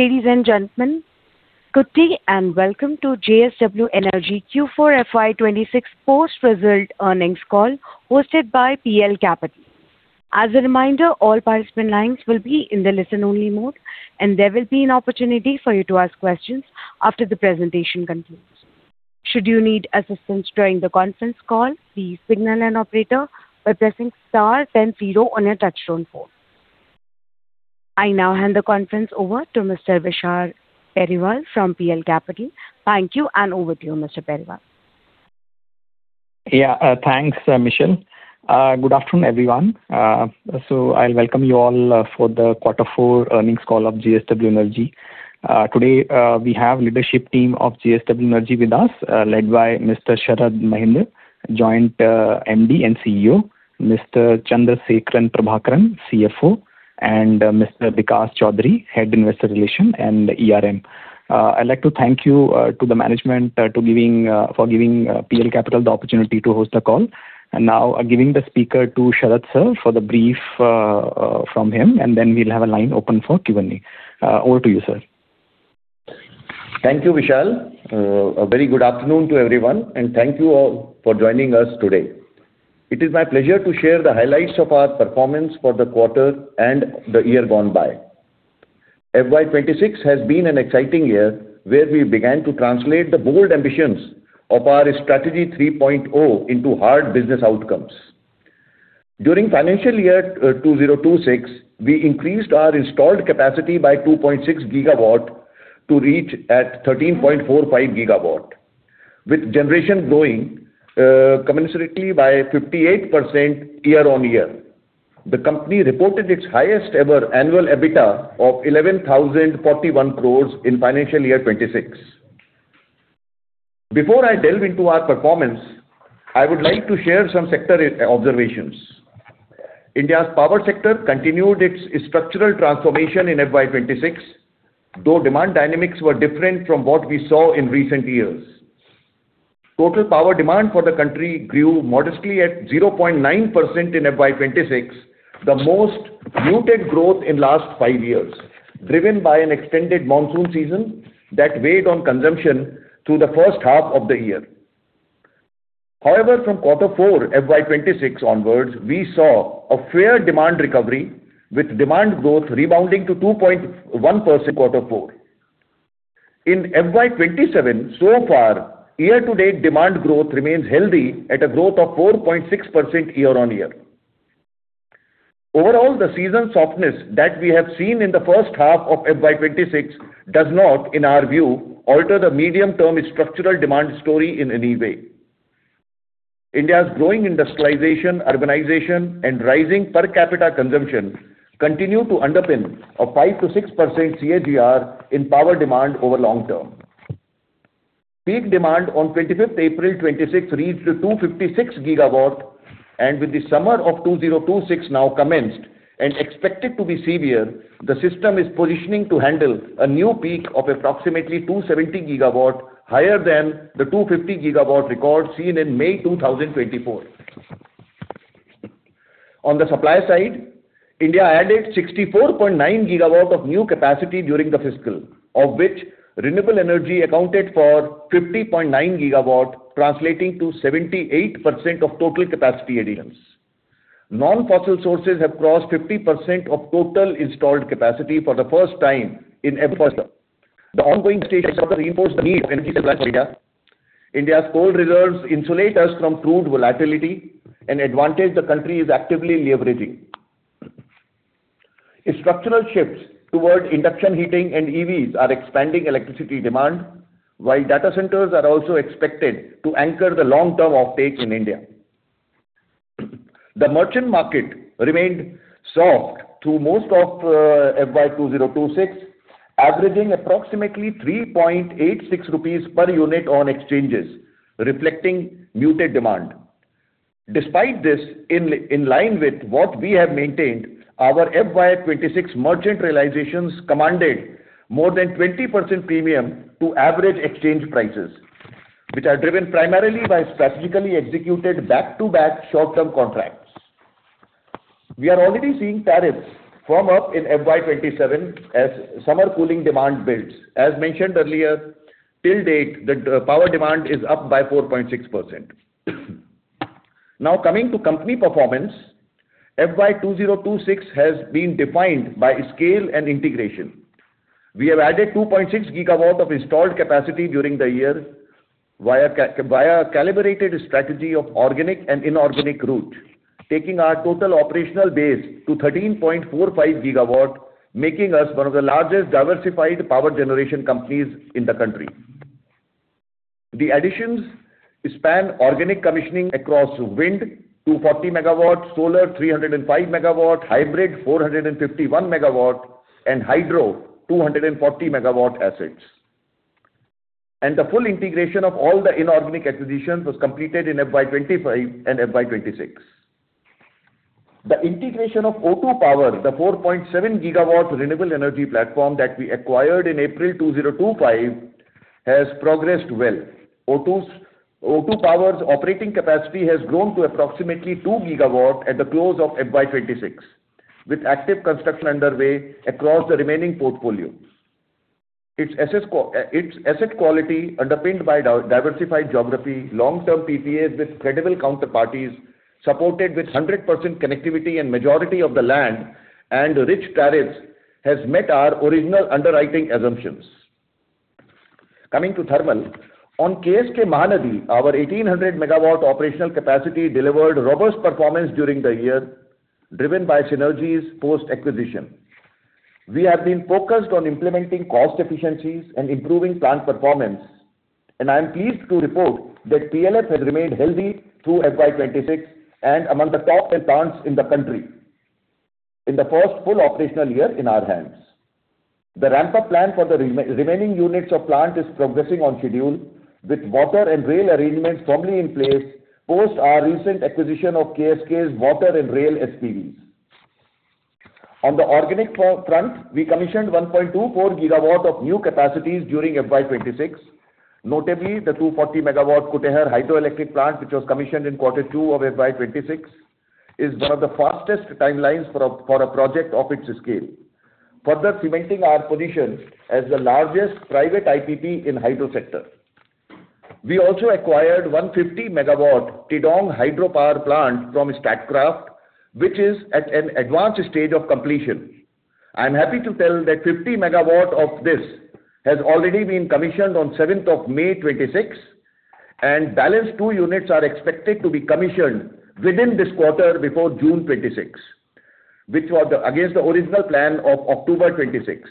Ladies and gentlemen, good day and welcome to JSW Energy Q4 FY 2026 post-result earnings call hosted by PL Capital. As a reminder, all participant lines will be in the listen-only mode, and there will be an opportunity for you to ask questions after the presentation concludes. Should you need assistance during the conference call, please signal an operator by pressing star 10 zero on your touchtone phone. I now hand the conference over to Mr. Vishal Periwal from PL Capital. Thank you, and over to you, Mr. Periwal. Yeah. Thanks, Michelle. Good afternoon, everyone. I welcome you all for the Quarter Four earnings call of JSW Energy. Today, we have leadership team of JSW Energy with us, led by Mr. Sharad Mahendra, Joint MD and CEO, Mr. Chandrasekaran Prabhakaran, CFO, and Mr. Vikas Choudhary, Head Investor Relations and ERM. I'd like to thank you to the management for giving PL Capital the opportunity to host the call. Now I'm giving the speaker to Sharad, sir, for the brief from him, and then we'll have a line open for Q&A. Over to you, sir. Thank you, Vishal. A very good afternoon to everyone, and thank you all for joining us today. It is my pleasure to share the highlights of our performance for the quarter and the year gone by. FY 2026 has been an exciting year where we began to translate the bold ambitions of our Strategy 3.0 into hard business outcomes. During financial year 2026, we increased our installed capacity by 2.6 GW to reach at 13.45 GW, with generation growing commensurately by 58% year-on-year. The company reported its highest ever annual EBITDA of 11,041 crores in financial year 2026. Before I delve into our performance, I would like to share some sector observations. India's power sector continued its structural transformation in FY 2026, though demand dynamics were different from what we saw in recent years. Total power demand for the country grew modestly at 0.9% in FY 2026, the most muted growth in last five years, driven by an extended monsoon season that weighed on consumption through the first half of the year. However, from Quarter Four FY 2026 onwards, we saw a fair demand recovery, with demand growth rebounding to 2.1% Quarter Four. In FY 2027 so far, year-to-date demand growth remains healthy at a growth of 4.6% year-on-year. Overall, the season softness that we have seen in the first half of FY 2026 does not, in our view, alter the medium-term structural demand story in any way. India's growing industrialization, urbanization, and rising per capita consumption continue to underpin a 5%-6% CAGR in power demand over long term. Peak demand on 25th April 2026 reached 256 GW, and with the summer of 2026 now commenced and expected to be severe, the system is positioning to handle a new peak of approximately 270 GW, higher than the 250 GW record seen in May 2024. On the supply side, India added 64.9 GW of new capacity during the fiscal, of which renewable energy accounted for 50.9 GW, translating to 78% of total capacity additions. Non-fossil sources have crossed 50% of total installed capacity for the first time in. The ongoing status quo reinforce the need. India's coal reserves insulate us from crude volatility, an advantage the country is actively leveraging. Structural shifts towards induction heating and EVs are expanding electricity demand, while data centers are also expected to anchor the long-term offtake in India. The merchant market remained soft through most of FY 2026, averaging approximately 3.86 rupees per unit on exchanges, reflecting muted demand. Despite this, in line with what we have maintained, our FY 2026 merchant realizations commanded more than 20% premium to average exchange prices, which are driven primarily by strategically executed back-to-back short-term contracts. We are already seeing tariffs firm up in FY 2027 as summer cooling demand builds. As mentioned earlier, till date, power demand is up by 4.6%. Now, coming to company performance, FY 2026 has been defined by scale and integration. We have added 2.6 GW of installed capacity during the year via a calibrated strategy of organic and inorganic route, taking our total operational base to 13.45 GW, making us one of the largest diversified power generation companies in the country. The additions span organic commissioning across wind, 240 MW, solar, 305 MW, hybrid, 451 MW, and hydro, 240 MW assets. The full integration of all the inorganic acquisitions was completed in FY 2025 and FY 2026. The integration of O2 Power, the 4.7 GW renewable energy platform that we acquired in April 2025, has progressed well. O2 Power's operating capacity has grown to approximately 2 GW at the close of FY 2026, with active construction underway across the remaining portfolio. Its asset quality underpinned by diversified geography, long-term PPAs with credible counterparties, supported with 100% connectivity and majority of the land and rich tariffs, has met our original underwriting assumptions. Coming to thermal, on KSK Mahanadi, our 1,800 MW operational capacity delivered robust performance during the year, driven by synergies post-acquisition. We have been focused on implementing cost efficiencies and improving plant performance, and I am pleased to report that PLF has remained healthy through FY 2026 and among the top 10 plants in the country in the first full operational year in our hands. The ramp-up plan for the remaining units of plant is progressing on schedule, with water and rail arrangements firmly in place post our recent acquisition of KSK's water and rail SPVs. On the organic front, we commissioned 1.24 GW of new capacities during FY 2026. Notably, the 240 MW Kutehr hydroelectric plant, which was commissioned in quarter 2 of FY 2026, is one of the fastest timelines for a project of its scale, further cementing our position as the largest private IPP in hydro sector. We also acquired 150 MW Tidong hydropower plant from Statkraft, which is at an advanced stage of completion. I am happy to tell that 50 MW of this has already been commissioned on 7th of May 2026. Balance 2 units are expected to be commissioned within this quarter before June 2026, against the original plan of October 2026.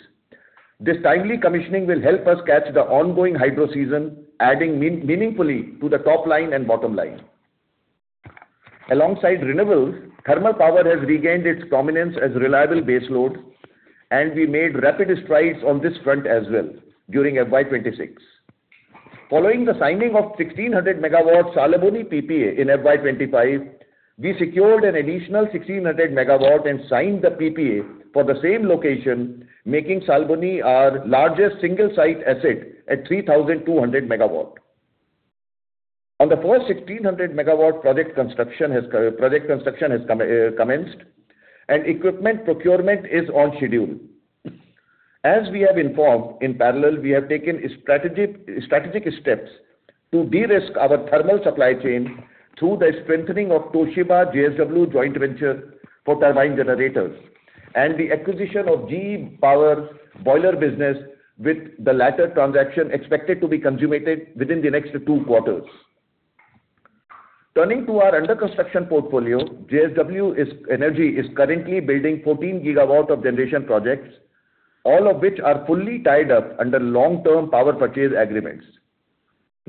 This timely commissioning will help us catch the ongoing hydro season, adding meaningfully to the top line and bottom line. Alongside renewables, thermal power has regained its prominence as reliable base load. We made rapid strides on this front as well during FY 2026. Following the signing of 1,600 MW Salboni PPA in FY 2025, we secured an additional 1,600 MW and signed the PPA for the same location, making Salboni our largest single site asset at 3,200 MW. On the first 1,600 MW project construction has commenced and equipment procurement is on schedule. As we have informed, in parallel, we have taken strategic steps to de-risk our thermal supply chain through the strengthening of Toshiba JSW joint venture for turbine generators and the acquisition of GE Power boiler business, with the latter transaction expected to be consummated within the next two quarters. Turning to our under-construction portfolio, JSW Energy is currently building 14 GW of generation projects, all of which are fully tied up under long-term power purchase agreements.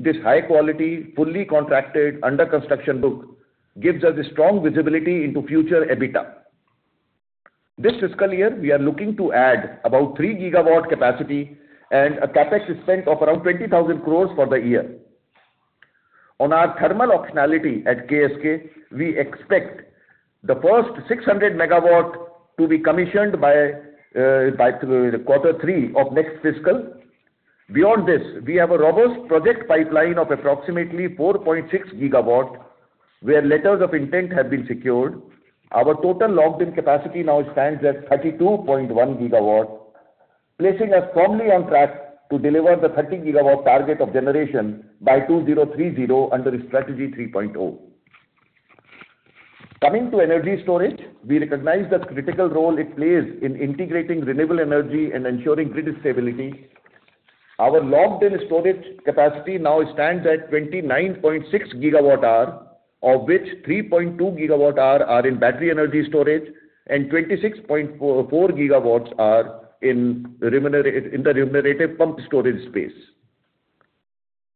This high quality, fully contracted under-construction book gives us a strong visibility into future EBITDA. This fiscal year we are looking to add about 3 GW capacity and a CapEx spend of around 20,000 crore for the year. On our thermal optionality at KSK, we expect the first 600 MW to be commissioned by quarter three of next fiscal. Beyond this, we have a robust project pipeline of approximately 4.6 GW, where letters of intent have been secured. Our total logged-in capacity now stands at 32.1 GW, placing us firmly on track to deliver the 30 GW target of generation by 2030 under Strategy 3.0. Coming to energy storage, we recognize the critical role it plays in integrating renewable energy and ensuring grid stability. Our logged-in storage capacity now stands at 29.6 GWh, of which 3.2 GWh are in battery energy storage and 26.4 GW are in the remunerative PSP space.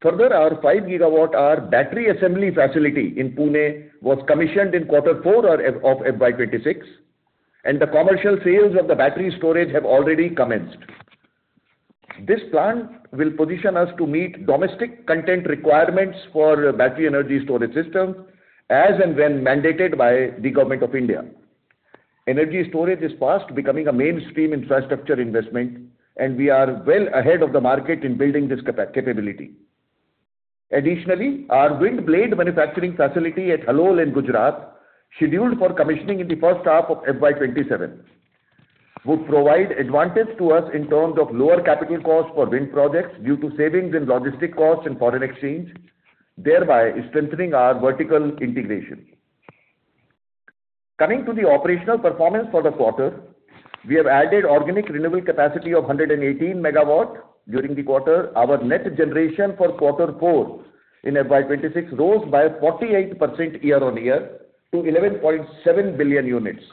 Our 5 GWh battery assembly facility in Pune was commissioned in quarter 4 of FY 2026, and the commercial sales of the battery storage have already commenced. This plant will position us to meet domestic content requirements for battery energy storage systems as and when mandated by the Government of India. Energy storage is fast becoming a mainstream infrastructure investment, and we are well ahead of the market in building this capability. Additionally, our wind blade manufacturing facility at Halol in Gujarat, scheduled for commissioning in the first half of FY 2027, would provide advantage to us in terms of lower capital costs for wind projects due to savings in logistic costs and foreign exchange, thereby strengthening our vertical integration. Coming to the operational performance for the quarter, we have added organic renewable capacity of 118 MW during the quarter. Our net generation for quarter 4 in FY 2026 rose by 48% year-on-year to 11.7 billion units,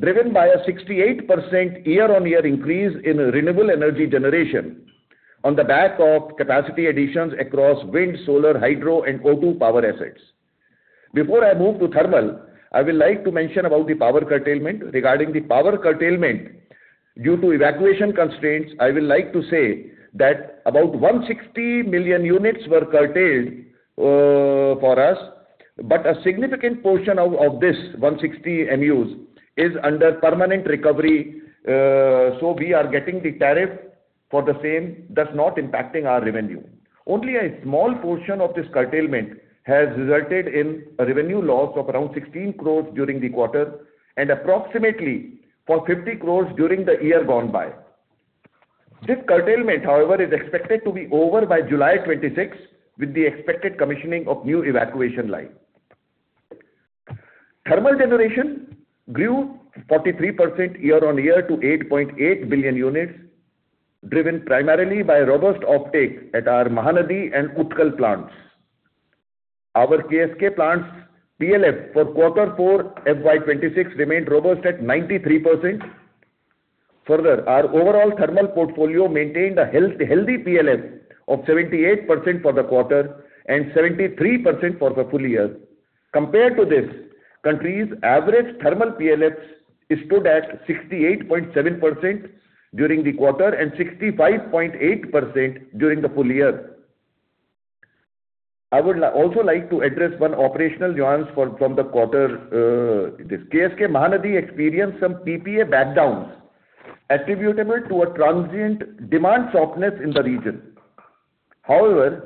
driven by a 68% year-on-year increase in renewable energy generation on the back of capacity additions across wind, solar, hydro and O2 Power assets. Before I move to thermal, I would like to mention about the power curtailment. Regarding the power curtailment due to evacuation constraints, I would like to say that about 160 million units were curtailed for us. A significant portion of this 160 MUs is under permanent recovery, so we are getting the tariff for the same, thus not impacting our revenue. Only a small portion of this curtailment has resulted in a revenue loss of around 16 crores during the quarter and approximately for 50 crores during the year gone by. This curtailment, however, is expected to be over by July 26, with the expected commissioning of new evacuation line. Thermal generation grew 43% year-on-year to 8.8 billion units, driven primarily by robust offtake at our Mahanadi and Utkal plants. Our KSK plant's PLF for Q4 FY 2026 remained robust at 93%. Further, our overall thermal portfolio maintained a healthy PLF of 78% for the quarter and 73% for the full year. Compared to this, country's average thermal PLFs stood at 68.7% during the quarter and 65.8% during the full year. I would also like to address one operational nuance from the quarter. KSK Mahanadi experienced some PPA backdowns attributable to a transient demand softness in the region.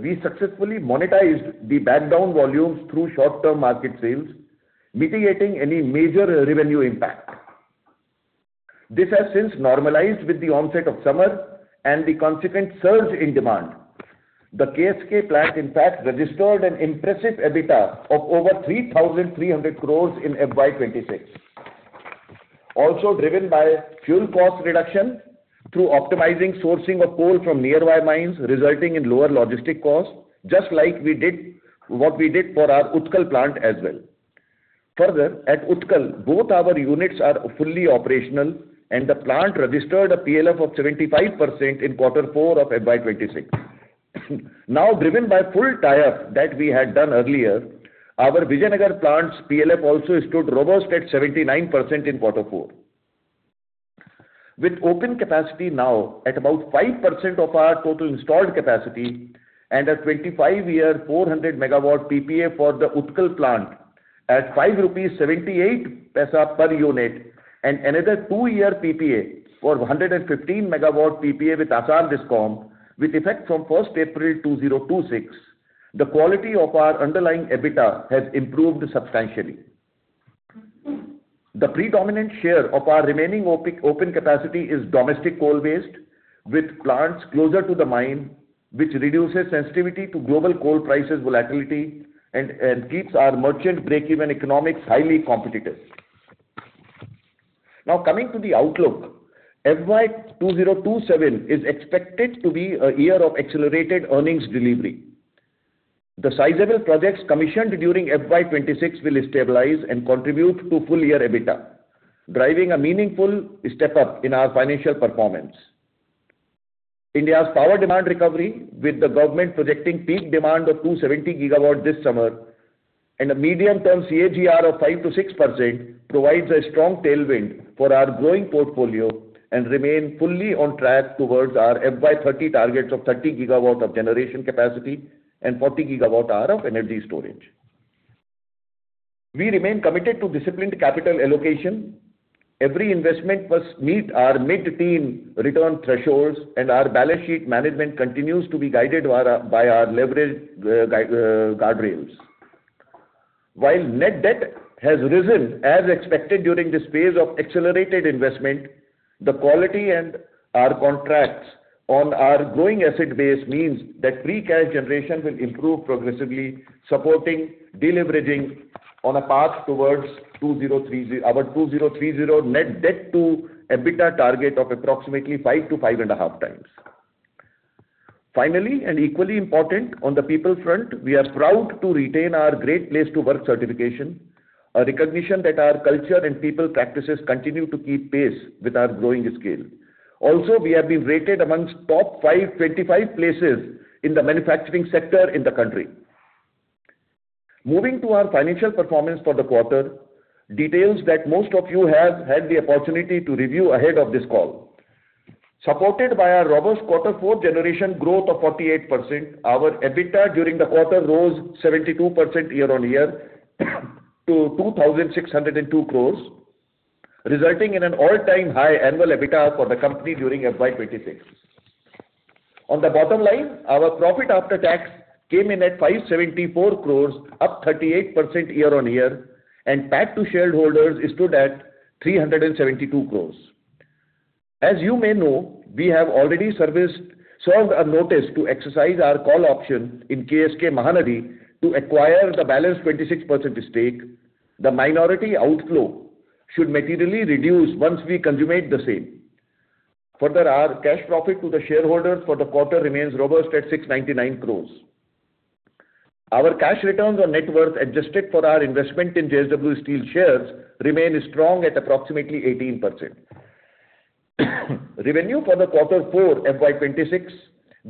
We successfully monetized the backdown volumes through short-term market sales, mitigating any major revenue impact. This has since normalized with the onset of summer and the consequent surge in demand. The KSK plant in fact registered an impressive EBITDA of over 3,300 crores in FY 2026. Also driven by fuel cost reduction through optimizing sourcing of coal from nearby mines, resulting in lower logistic costs, just like what we did for our Utkal plant as well. Further, at Utkal, both our units are fully operational, and the plant registered a PLF of 75% in Q4 of FY 2026. Now, driven by full tie-up that we had done earlier, our Vijayanagar plant's PLF also stood robust at 79% in Q4. With open capacity now at about 5% of our total installed capacity and a 25-year, 400 MW PPA for the Utkal plant at 5.78 rupees per unit and another two year PPA for 115 MW PPA with APDCL with effect from April 1, 2026, the quality of our underlying EBITDA has improved substantially. The predominant share of our remaining open capacity is domestic coal-based with plants closer to the mine, which reduces sensitivity to global coal prices volatility and keeps our merchant break-even economics highly competitive. Coming to the outlook. FY 2027 is expected to be a year of accelerated earnings delivery. The sizable projects commissioned during FY 2026 will stabilize and contribute to full year EBITDA, driving a meaningful step-up in our financial performance. India's power demand recovery, with the government projecting peak demand of 270 GW this summer and a medium-term CAGR of 5%-6%, provides a strong tailwind for our growing portfolio and remain fully on track towards our FY 2030 targets of 30 GW of generation capacity and 40 GWh of energy storage. We remain committed to disciplined capital allocation. Every investment must meet our mid-teen return thresholds. Our balance sheet management continues to be guided by our leverage guardrails. While net debt has risen as expected during this phase of accelerated investment, the quality and our contracts on our growing asset base means that free cash generation will improve progressively, supporting deleveraging on a path towards our 2030 net debt to EBITDA target of approximately 5-5.5x. Finally, equally important, on the people front, we are proud to retain our Great Place to Work certification, a recognition that our culture and people practices continue to keep pace with our growing scale. We have been rated amongst top 25 places in the manufacturing sector in the country. Moving to our financial performance for the quarter, details that most of you have had the opportunity to review ahead of this call. Supported by our robust Q4 generation growth of 48%, our EBITDA during the quarter rose 72% year-on-year to 2,602 crores, resulting in an all-time high annual EBITDA for the company during FY 2026. On the bottom line, our profit after tax came in at 574 crores, up 38% year-on-year and PAT to shareholders stood at 372 crores. As you may know, we have already served a notice to exercise our call option in KSK Mahanadi to acquire the balance 26% stake. The minority outflow should materially reduce once we consummate the same. Further, our cash profit to the shareholders for the quarter remains robust at 699 crores. Our cash returns on net worth, adjusted for our investment in JSW Steel shares, remain strong at approximately 18%. Revenue for the quarter four FY 2026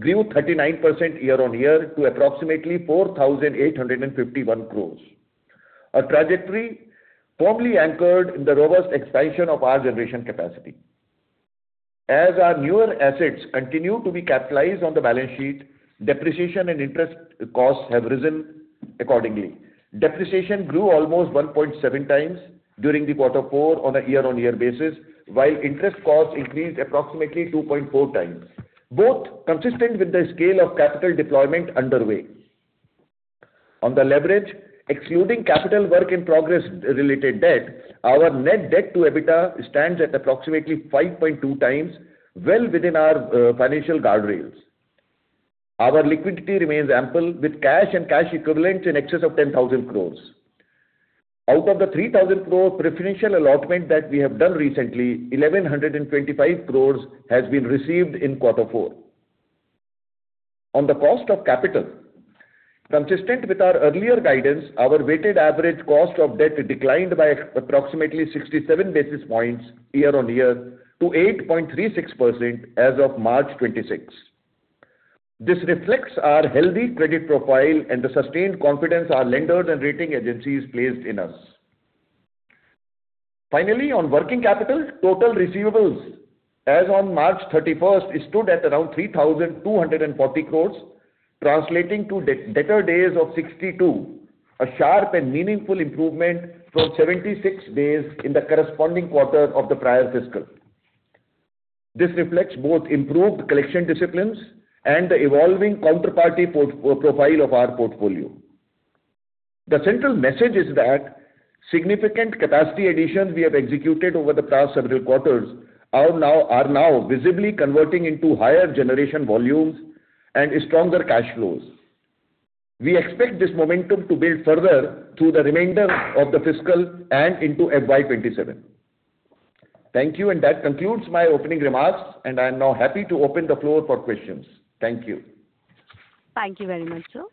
grew 39% year-on-year to approximately 4,851 crores, a trajectory firmly anchored in the robust expansion of our generation capacity. As our newer assets continue to be capitalized on the balance sheet, depreciation and interest costs have risen accordingly. Depreciation grew almost 1.7x during the quarter four on a year-on-year basis, while interest costs increased approximately 2.4x, both consistent with the scale of capital deployment underway. On the leverage, excluding Capital Work-in-Progress related debt, our net debt to EBITDA stands at approximately 5.2x, well within our financial guardrails. Our liquidity remains ample with cash and cash equivalents in excess of 10,000 crores. Out of the 3,000 crores preferential allotment that we have done recently, 1,125 crores has been received in quarter four. On the cost of capital, consistent with our earlier guidance, our weighted average cost of debt declined by approximately 67 basis points year-on-year to 8.36% as of March 26. This reflects our healthy credit profile and the sustained confidence our lenders and rating agencies placed in us. Finally, on working capital, total receivables as on March 31st stood at around 3,240 crores, translating to debtor days of 62, a sharp and meaningful improvement from 76 days in the corresponding quarter of the prior fiscal. This reflects both improved collection disciplines and the evolving counterparty profile of our portfolio. The central message is that significant capacity additions we have executed over the past several quarters are now visibly converting into higher generation volumes and stronger cash flows. We expect this momentum to build further through the remainder of the fiscal and into FY 2027. Thank you. That concludes my opening remarks. I am now happy to open the floor for questions. Thank you. Thank you very much, sir.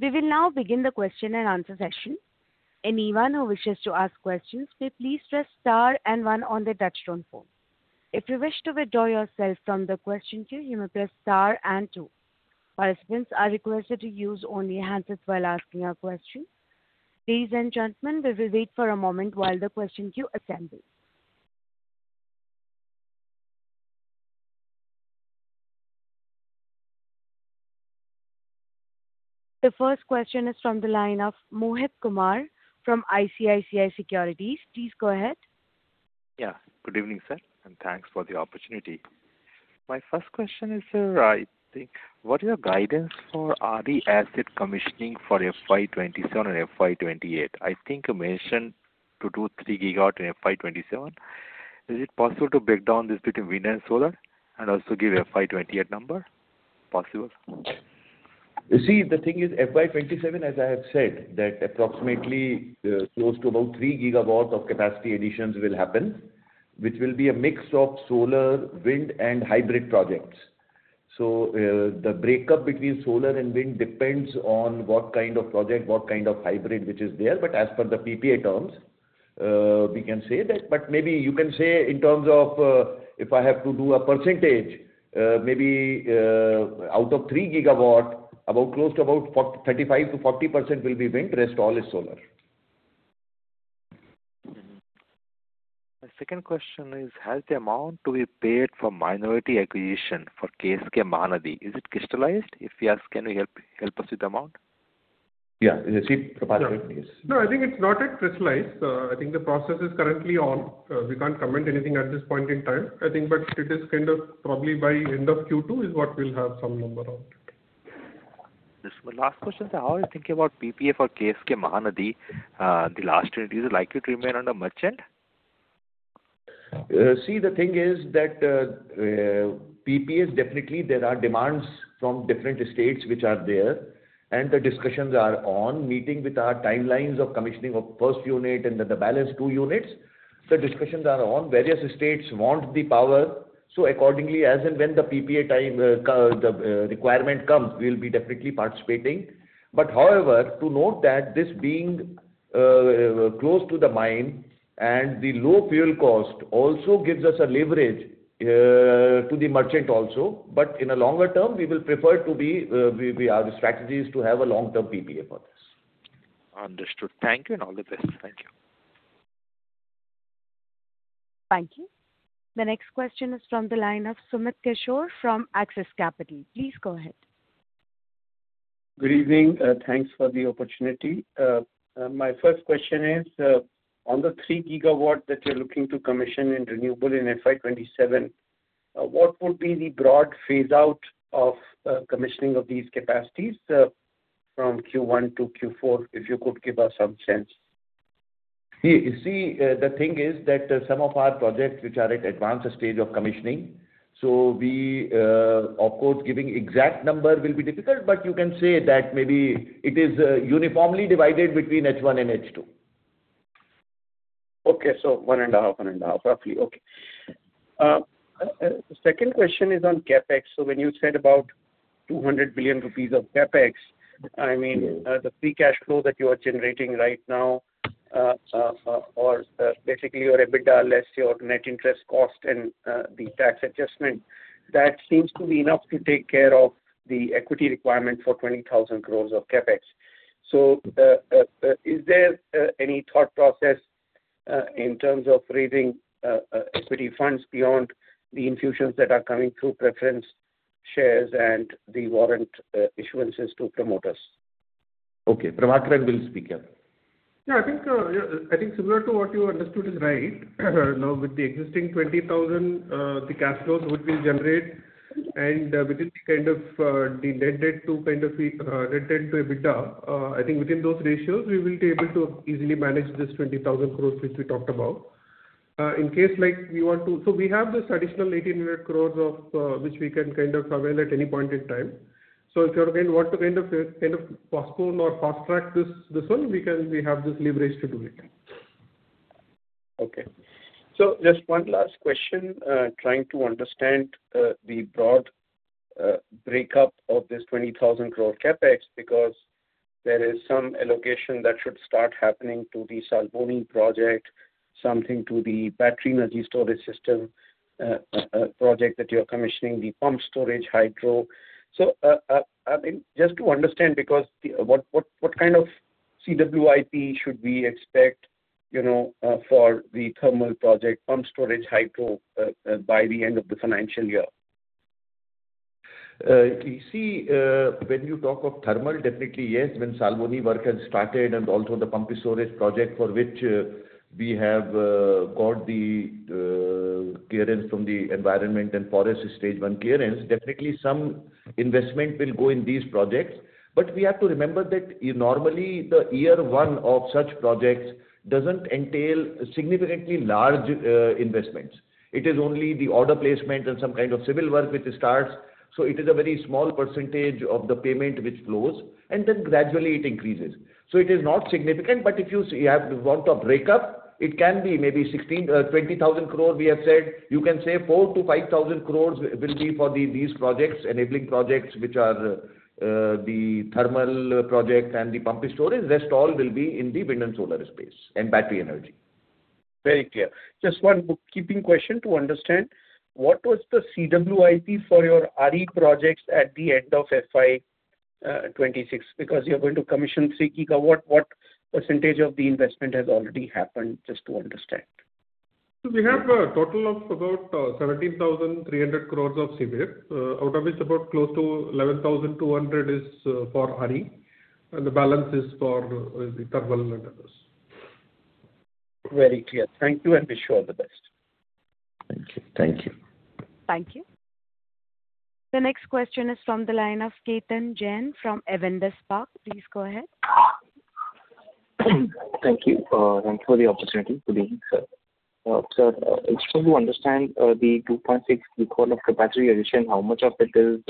We will now begin the question and answer session. The first question is from the line of Mohit Kumar from ICICI Securities. Please go ahead. Good evening, sir, and thanks for the opportunity. My first question is, sir, I think what is your guidance for RE asset commissioning for FY 2027 and FY 2028? I think you mentioned 2 GW-3 GW in FY 2027. Is it possible to break down this between wind and solar and also give FY 2028 number possible? You see, the thing is FY 2027, as I have said, that approximately, close to about 3 GW of capacity additions will happen, which will be a mix of solar, wind, and hybrid projects. The breakup between solar and wind depends on what kind of project, what kind of hybrid which is there. As per the PPA terms, we can say that. Maybe you can say in terms of, if I have to do a percentage, maybe, out of 3 GW, about close to about 35%-40% will be wind, rest all is solar. Mm-hmm. My second question is, has the amount to be paid for minority acquisition for KSK Mahanadi, is it crystallized? If yes, can you help us with the amount? Yeah. You see, Prabhakaran No, I think it's not yet crystallized. I think the process is currently on. We can't comment anything at this point in time, I think. It is kind of probably by end of Q2 is what we'll have some number on it. Yes. My last question, sir. How are you thinking about PPA for KSK Mahanadi in the last year? Do you like it to remain under merchant? See, the thing is that, PPAs definitely there are demands from different states which are there, and the discussions are on, meeting with our timelines of commissioning of first unit and then the balance two units. The discussions are on. Various states want the power, so accordingly as and when the PPA time, the requirement comes, we'll be definitely participating. However, to note that this being close to the mine and the low fuel cost also gives us a leverage to the merchant also. In a longer term, we will prefer to be, we Our strategy is to have a long-term PPA for this. Understood. Thank you and all the best. Thank you. Thank you. The next question is from the line of Sumit Kishore from Axis Capital. Please go ahead. Good evening. Thanks for the opportunity. My first question is on the 3 GW that you're looking to commission in renewable in FY 2027, what would be the broad phase-out of commissioning of these capacities from Q1 to Q4, if you could give us some sense? Yeah. You see, the thing is that some of our projects which are at advanced stage of commissioning. Of course, giving exact number will be difficult, but you can say that maybe it is uniformly divided between H1 and H2. Okay. 1.5, 1.5 roughly. Okay. Second question is on CapEx. When you said about 200 billion rupees of CapEx, I mean, the free cash flow that you are generating right now, or basically your EBITDA less your net interest cost and the tax adjustment. That seems to be enough to take care of the equity requirement for 20,000 crores of CapEx. Is there any thought process in terms of raising equity funds beyond the infusions that are coming through preference shares and the warrant issuances to promoters? Okay. Prabhakaran will speak up. I think similar to what you understood is right. With the existing 20,000, the cash flows which we generate and within the kind of, the net debt to EBITDA, I think within those ratios we will be able to easily manage this 20,000 crores which we talked about. We have this additional 1,800 crores, which we can kind of avail at any point in time. If you again want to kind of postpone or fast-track this one, we can. We have this leverage to do it. Okay. Just one last question, trying to understand the broad break-up of this 20,000 crore CapEx, because there is some allocation that should start happening to the Salboni project, something to the Battery Energy Storage System project that you're commissioning, the Pumped Storage Hydro. I mean, just to understand, because what kind of CWIP should we expect, you know, for the thermal project, Pumped Storage Hydro, by the end of the financial year? When you talk of thermal, definitely, yes, when Salboni work has started and also the pumped storage project for which we have got the clearance from the environment and forest stage 1 clearance, definitely some investment will go in these projects. We have to remember that normally the year one of such projects doesn't entail significantly large investments. It is only the order placement and some kind of civil work which starts. It is a very small percentage of the payment which flows, and then gradually it increases. It is not significant. If you have want of break-up, it can be maybe 16,000 crore-20,000 crore, we have said. You can say 4,000-5,000 crores will be for these projects, enabling projects which are the thermal project and the pump storage. Rest all will be in the wind and solar space, and battery energy. Very clear. Just one bookkeeping question to understand, what was the CWIP for your RE projects at the end of FY 2026? You're going to commission 3 GW. What percentage of the investment has already happened? Just to understand. We have a total of about 17,300 crores of CapEx, out of which about close to 11,200 is for RE, and the balance is for the thermal and others. Very clear. Thank you, and wish you all the best. Thank you. Thank you. Thank you. The next question is from the line of Ketan Jain from Avendus Spark. Please go ahead. Thank you. Thanks for the opportunity. Good evening, sir. Sir, if you understand, the 2.6 GW of capacity addition, how much of it is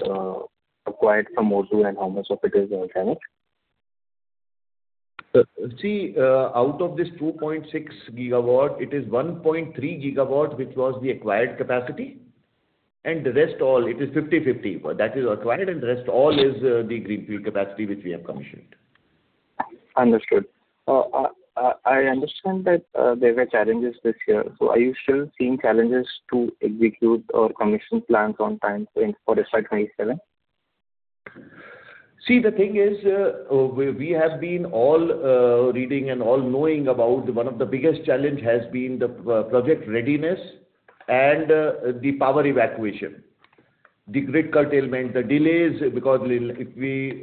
acquired from MoU and how much of it is organic? See, out of this 2.6 GW, it is 1.3 GW, which was the acquired capacity, and the rest all, it is 50/50. That is acquired, and the rest all is the greenfield capacity which we have commissioned. Understood. I understand that there were challenges this year. Are you still seeing challenges to execute or commission plans on time for FY 2027? See, the thing is, we have been all reading and all knowing about one of the biggest challenge has been the project readiness and the power evacuation. The grid curtailment, the delays, because if we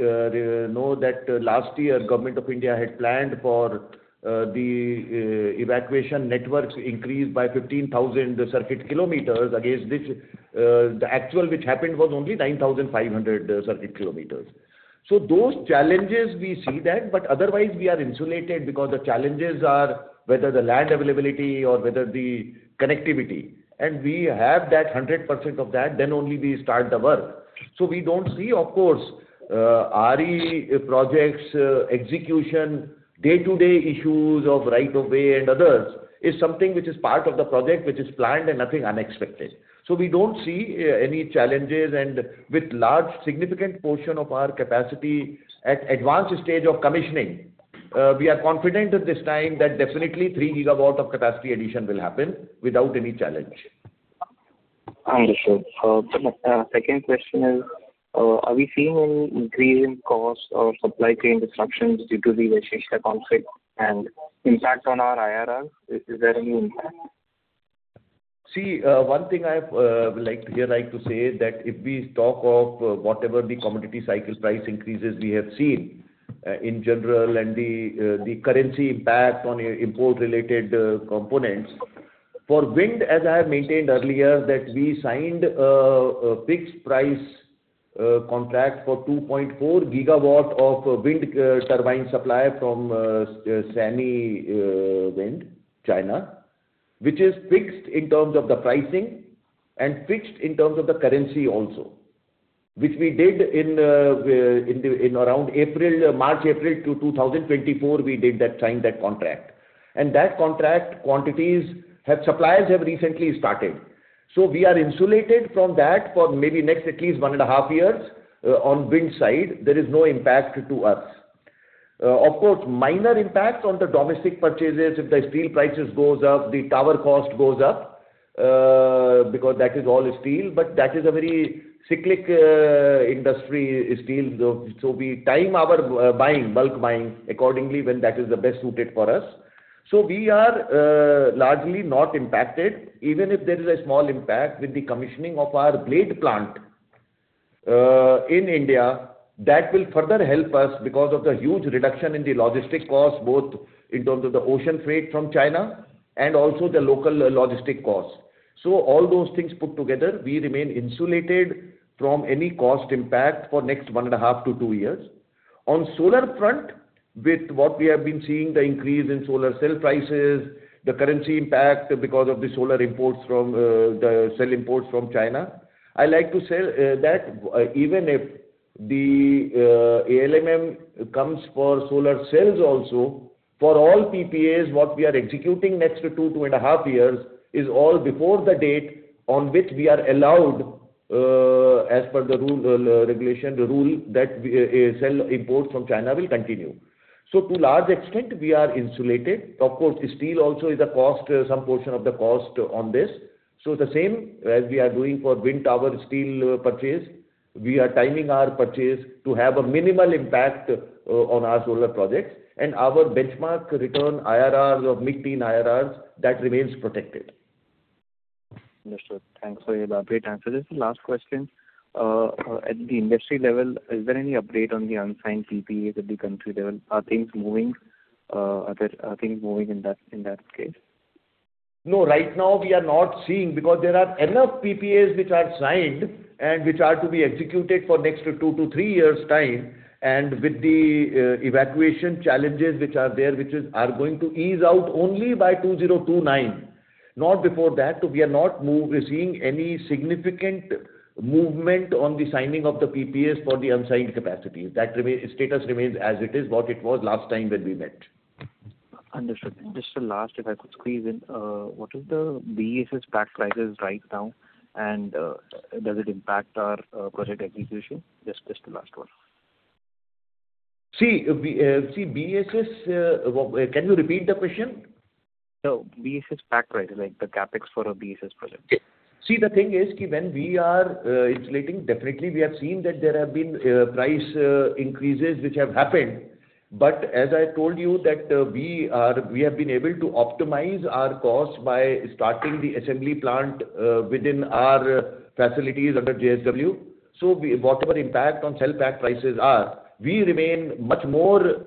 know that last year Government of India had planned for the evacuation networks increase by 15,000 circuit kilometers against this, the actual which happened was only 9,500 circuit kilometers. Those challenges, we see that, but otherwise we are insulated because the challenges are whether the land availability or whether the connectivity, and we have that 100% of that, then only we start the work. We don't see, of course, RE projects execution day-to-day issues of right of way and others is something which is part of the project, which is planned and nothing unexpected. We don't see any challenges. With large significant portion of our capacity at advanced stage of commissioning, we are confident at this time that definitely 3 GW of capacity addition will happen without any challenge. Understood. Second question is, are we seeing any increase in cost or supply chain disruptions due to the Red Sea conflict and impact on our IRRs? Is there any impact? See, one thing I've like to say is that if we talk of whatever the commodity cycle price increases we have seen in general and the currency impact on import-related components. For wind, as I have maintained earlier, that we signed a fixed price contract for 2.4 GW of wind turbine supply from Sinovel Wind China, which is fixed in terms of the pricing and fixed in terms of the currency also, which we did in around March, April 2024, we did that, signed that contract. That contract quantities have suppliers have recently started. We are insulated from that for maybe next at least 1.5 years. On wind side, there is no impact to us. Of course, minor impacts on the domestic purchases. If the steel prices goes up, the tower cost goes up, because that is all steel, but that is a very cyclic industry, steel. We time our buying, bulk buying accordingly when that is the best suited for us. We are largely not impacted. Even if there is a small impact with the commissioning of our blade plant in India, that will further help us because of the huge reduction in the logistics cost, both in terms of the ocean freight from China and also the local logistics cost. All those things put together, we remain insulated from any cost impact for next 1.5 to 2 years. On solar front, with what we have been seeing, the increase in solar cell prices, the currency impact because of the solar imports from, the cell imports from China. I like to say, that even if the ALMM comes for solar cells also, for all PPAs, what we are executing next to 2.5 years is all before the date on which we are allowed as per the rule, regulation, the rule that we cell imports from China will continue. To large extent, we are insulated. Of course, steel also is a cost, some portion of the cost on this. The same as we are doing for wind tower steel purchase, we are timing our purchase to have a minimal impact on our solar projects. Our benchmark return IRRs or mid-teen IRRs, that remains protected. Understood. Thanks for your elaborate answer. This is the last question. At the industry level, is there any update on the unsigned PPAs at the country level? Are things moving in that case? No, right now we are not seeing because there are enough PPAs which are signed and which are to be executed for next two to three years' time, and with the evacuation challenges which are there, which are going to ease out only by 2029. Not before that. We are not seeing any significant movement on the signing of the PPAs for the unsigned capacity. That status remains as it is, what it was last time when we met. Understood. Just the last, if I could squeeze in. What is the BESS pack prices right now, and does it impact our project execution? Just the last one. See BESS, can you repeat the question? No. BESS pack price, like the CapEx for a BESS project. See, the thing is, when we are insulating, definitely we have seen that there have been price increases which have happened. As I told you that we are, we have been able to optimize our costs by starting the assembly plant within our facilities under JSW. Whatever impact on cell pack prices are, we remain much more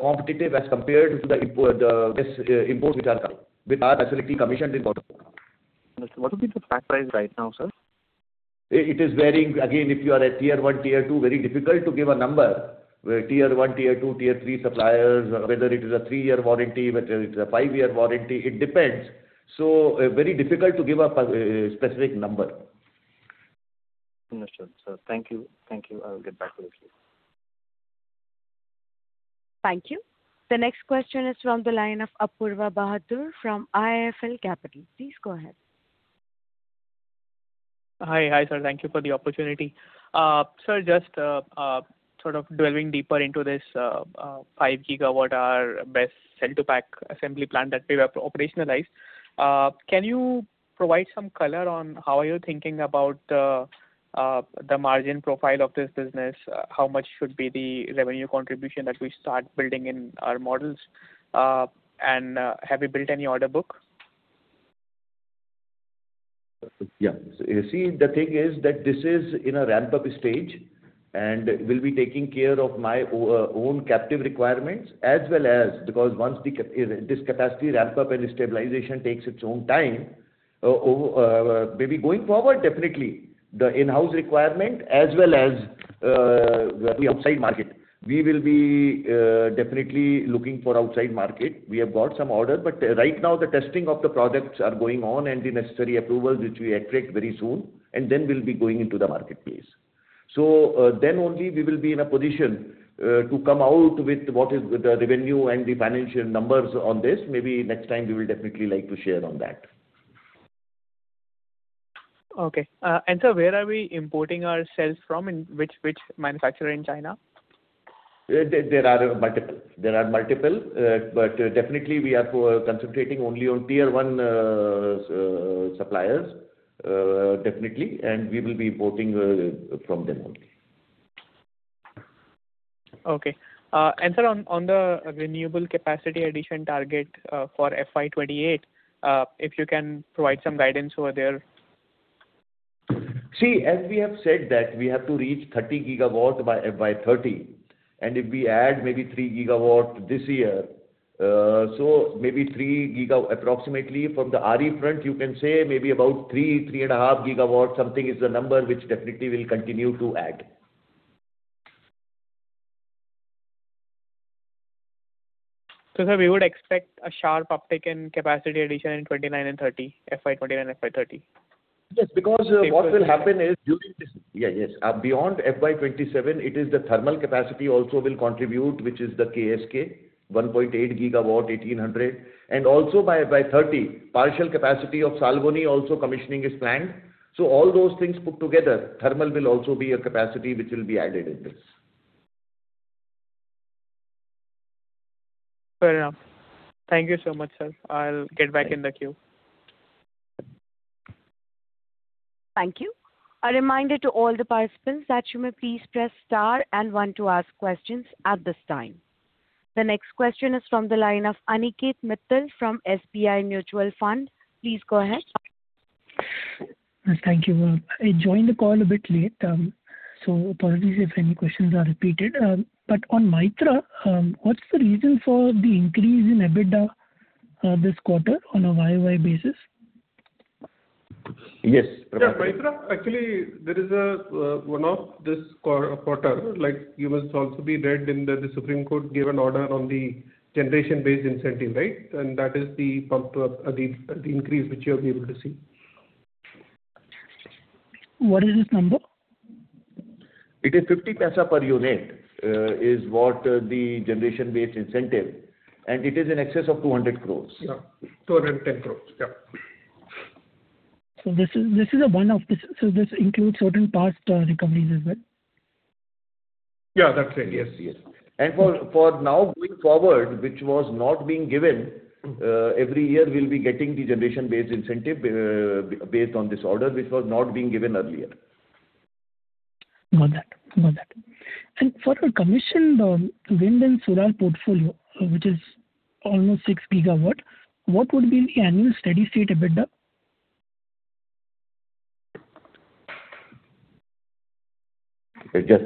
competitive as compared to the import imports which are coming with our facility commissioned in Gwalior. Understood. What would be the pack price right now, sir? It is varying. If you are a tier 1, tier 2, very difficult to give a number, where tier 1, tier 2, tier 3 suppliers, whether it is a three year warranty, whether it's a five year warranty, it depends. Very difficult to give a specific number. Understood, sir. Thank you. Thank you. I will get back to you soon. Thank you. The next question is from the line of Apoorva Bahadur from IIFL Capital. Please go ahead. Hi. Hi, sir. Thank you for the opportunity. Sir, just sort of delving deeper into this 5 GWh BESS cell to pack assembly plant that we have operationalized. Can you provide some color on how are you thinking about the margin profile of this business? How much should be the revenue contribution that we start building in our models? Have you built any order book? Yeah. The thing is that this is in a ramp-up stage, and we'll be taking care of my own captive requirements as well as Because once this capacity ramp up and stabilization takes its own time, maybe going forward, definitely the in-house requirement as well as the outside market. We will be definitely looking for outside market. We have got some orders, right now the testing of the products are going on and the necessary approvals which we expect very soon, then we'll be going into the marketplace. Then only we will be in a position to come out with what is the revenue and the financial numbers on this. Maybe next time we will definitely like to share on that. Okay. sir, where are we importing our cells from and which manufacturer in China? There are multiple. There are multiple. Definitely we are concentrating only on tier 1 suppliers, definitely, and we will be importing from them only. Okay. Sir, on the renewable capacity addition target for FY 2028, if you can provide some guidance over there? See, as we have said that we have to reach 30 GW by FY 2030, and if we add maybe 3 GW this year, so maybe 3 GW approximately from the RE front, you can say maybe about 3.5 GW something is the number which definitely we'll continue to add. sir, we would expect a sharp uptick in capacity addition in 29 and 30, FY 2029, FY 2030. Yes, because what will happen is Yes. Beyond FY 2027, it is the thermal capacity also will contribute, which is the KSK, 1.8 GW, 1,800. Also by 2030, partial capacity of Salboni also commissioning is planned. All those things put together, thermal will also be a capacity which will be added in this. Fair enough. Thank you so much, sir. I'll get back in the queue. Thank you. A reminder to all the participants that you may please press star and one to ask questions at this time. The next question is from the line of Aniket Mittal from SBI Mutual Fund. Please go ahead. Yes. Thank you, ma'am. I joined the call a bit late, apologies if any questions are repeated. On Mytrah, what's the reason for the increase in EBITDA this quarter on a YoY basis? Yes. Yeah. Mytrah, actually, there is one of this quarter, like, you must also be read in the Supreme Court gave an order on the generation-based incentive, right? That is the bump to the increase which you have been able to see. What is this number? It is 0.50 per unit, is what the generation-based incentive, and it is in excess of 200 crores. Yeah. 210 crores. Yeah. This is a one-off. This includes certain past recoveries as well? Yeah, that's right. Yes. Yes. For now going forward, which was not being given, every year we'll be getting the Generation-Based Incentive, based on this order which was not being given earlier. Got that. Got that. For a commissioned wind and solar portfolio, which is almost 6 GW, what would be the annual steady-state EBITDA? Just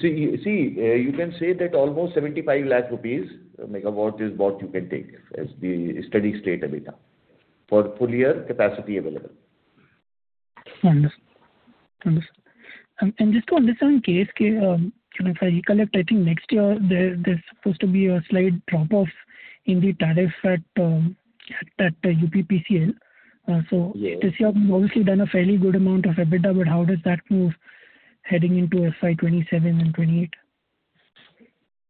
See, you can say that almost 75 lakh rupees megawatt is what you can take as the steady-state EBITDA for full year capacity available. Understood. Understood. Just to understand KSK, if I recollect, I think next year there's supposed to be a slight drop-off in the tariff at UPPCL. Yeah. This year we've obviously done a fairly good amount of EBITDA, but how does that move heading into FY 2027 and 2028?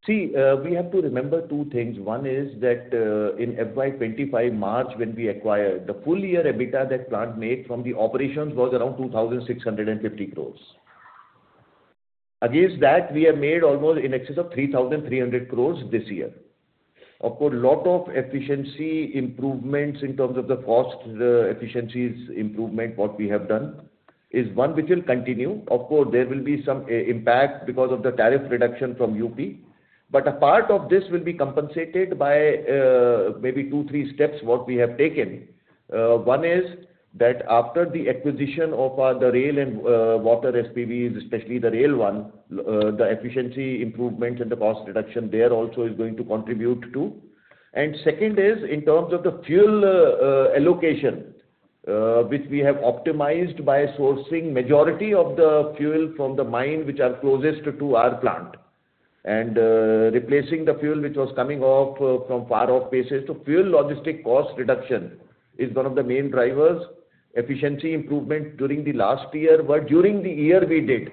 See, we have to remember two things. One is that, in FY 2025 March, when we acquired, the full year EBITDA that plant made from the operations was around 2,650 crore. Against that, we have made almost in excess of 3,300 crore this year. Of course, lot of efficiency improvements in terms of the cost efficiencies improvement what we have done is one which will continue. Of course, there will be some impact because of the tariff reduction from UP. A part of this will be compensated by maybe two, three steps what we have taken. One is that after the acquisition of the rail and water SPVs, especially the rail one, the efficiency improvements and the cost reduction there also is going to contribute too. Second is, in terms of the fuel allocation, which we have optimized by sourcing majority of the fuel from the mine which are closest to our plant, and replacing the fuel which was coming off from far off places. Fuel logistic cost reduction is one of the main drivers. Efficiency improvement during the last year, but during the year we did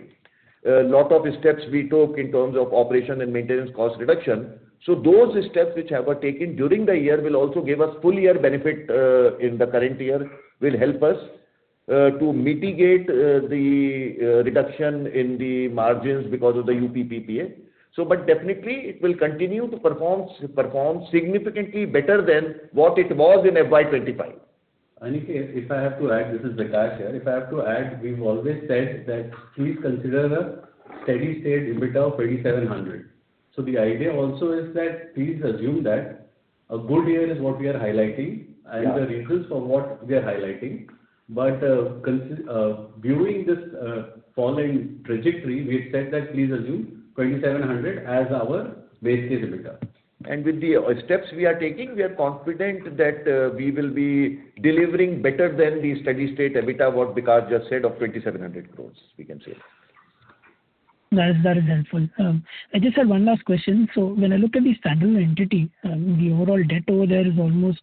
lot of steps we took in terms of operation and maintenance cost reduction. Those steps which were taken during the year will also give us full year benefit in the current year, will help us to mitigate the reduction in the margins because of the UP PPA. But definitely it will continue to perform significantly better than what it was in FY 2025. Aniket, if I have to add, this is Vikas here. If I have to add, we've always said that please consider a steady state EBITDA of 2,700. The idea also is that please assume that a good year is what we are highlighting- Yeah. The reasons for what we are highlighting. Viewing this following trajectory, we have said that please assume 2,700 as our base case EBITDA. With the steps we are taking, we are confident that we will be delivering better than the steady-state EBITDA, what Vikas just said, of 2,700 crores, we can say that. That is, that is helpful. I just had one last question. When I look at the standalone entity, the overall debt over there is almost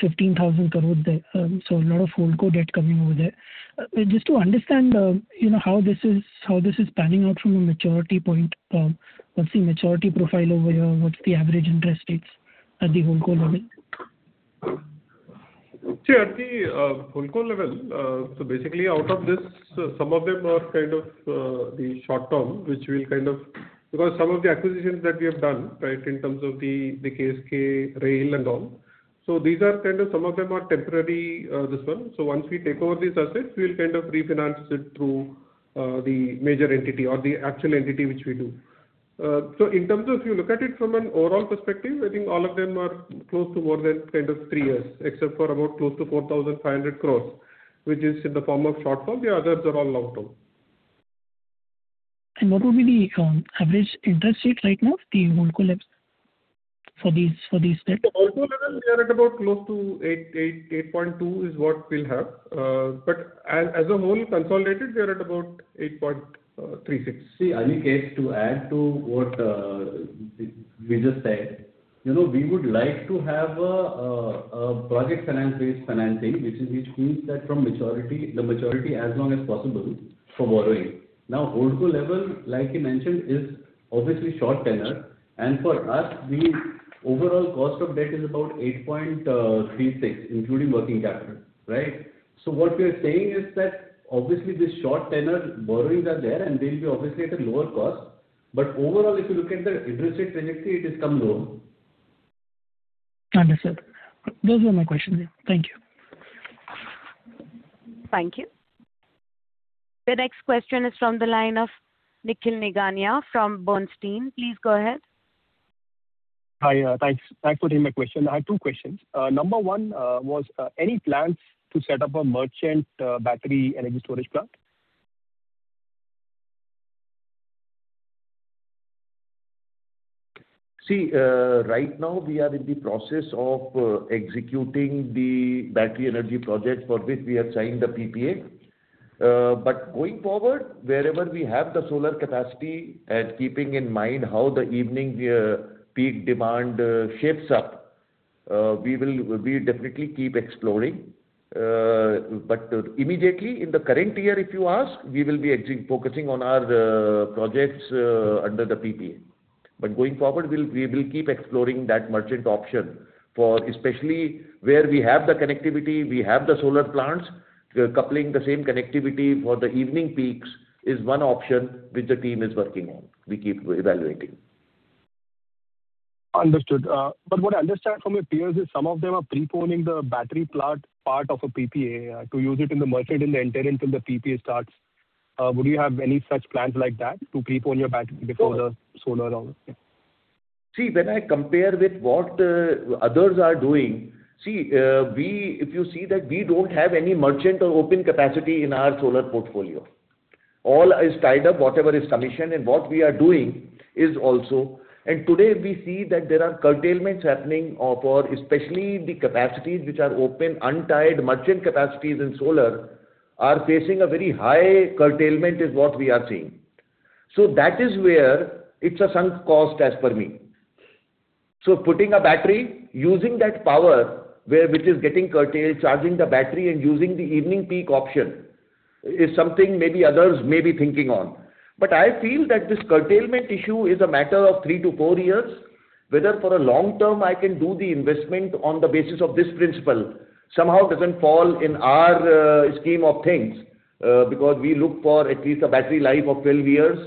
15,000 crores there, a lot of holdco debt coming over there. Just to understand, you know, how this is, how this is panning out from a maturity point. What's the maturity profile over here? What's the average interest rates at the holdco level? At the holdco level, out of this, some of them are the short term because some of the acquisitions that we have done, right, in terms of the KSK, rail and all. Some of them are temporary. Once we take over these assets, we'll refinance it through the major entity or the actual entity which we do. In terms of if you look at it from an overall perspective, I think all of them are close to more than three years, except for about close to 4,500 crores, which is in the form of short term. The others are all long term. What would be the average interest rate right now at the holdco level for these debt? The holdco level, we are at about close to 8.2 is what we'll have. As a whole consolidated, we are at about 8.36. See, Aniket, to add to what We just said, you know, we would like to have a project finance-based financing, which is, which means that from maturity, the maturity as long as possible for borrowing. holdco level, like he mentioned, is obviously short tenor, and for us the overall cost of debt is about 8.36%, including working capital, right? What we are saying is that obviously the short tenor borrowings are there, and they'll be obviously at a lower cost. Overall, if you look at the interest rate trajectory, it has come down. Understood. Those were my questions. Thank you. Thank you. The next question is from the line of Nikhil Nigania from Bernstein. Please go ahead. Hi, thanks. Thanks for taking my question. I have two questions. Number one, was any plans to set up a merchant battery energy storage plant? See, right now we are in the process of executing the battery energy project for which we have signed the PPA. Going forward, wherever we have the solar capacity and keeping in mind how the evening peak demand shapes up, we definitely keep exploring. Immediately in the current year, if you ask, we will be exit focusing on our projects under the PPA. Going forward, we will keep exploring that merchant option for especially where we have the connectivity, we have the solar plants. Coupling the same connectivity for the evening peaks is one option which the team is working on. We keep evaluating. Understood. What I understand from your peers is some of them are preponing the battery plant part of a PPA to use it in the merchant in the interim till the PPA starts. Would you have any such plans like that to prepone your battery? Sure. before the solar hour? Yeah. See, when I compare with what others are doing, we don't have any merchant or open capacity in our solar portfolio. All is tied up, whatever is commissioned. Today we see that there are curtailments happening for especially the capacities which are open, untied merchant capacities in solar are facing a very high curtailment, is what we are seeing. That is where it's a sunk cost as per me. Putting a battery, using that power where which is getting curtail, charging the battery and using the evening peak option is something maybe others may be thinking on. I feel that this curtailment issue is a matter of three to four years. Whether for the long term I can do the investment on the basis of this principle somehow doesn't fall in our scheme of things, because we look for at least a battery life of 12 years.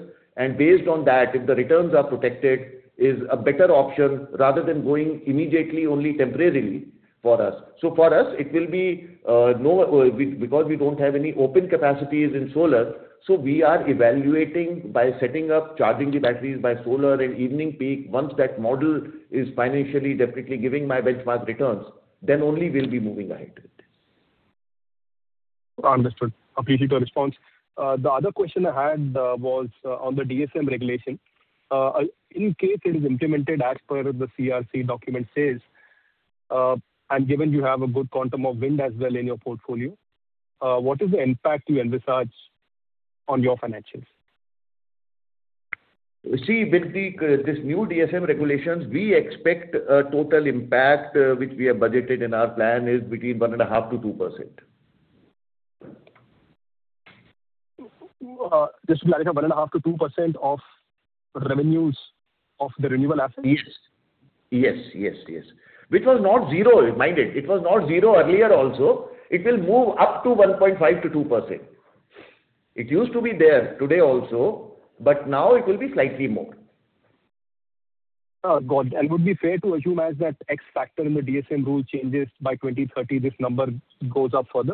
Based on that, if the returns are protected, is a better option rather than going immediately only temporarily for us. For us it will be no, because we don't have any open capacities in solar, so we are evaluating by setting up charging the batteries by solar and evening peak. Once that model is financially definitely giving my benchmark returns, then only we'll be moving ahead with this. Understood. Appreciate your response. The other question I had was on the DSM regulation. In case it is implemented as per the CERC document says, and given you have a good quantum of wind as well in your portfolio, what is the impact you envisage on your financials? See, with this new DSM regulations, we expect a total impact, which we have budgeted in our plan, is between one and a half to 2%. Just to clarify, one and a half to 2% of revenues of the renewable assets? Yes. Yes. Yes. Which was not zero, mind it. It was not zero earlier also. It will move up to 1.5%-2%. It used to be there today also, but now it will be slightly more. Got it. Would it be fair to assume as that X factor in the DSM rule changes by 2030, this number goes up further?